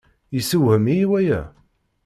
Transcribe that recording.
Yessewhem-iyi waya.